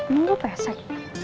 ini gue pesek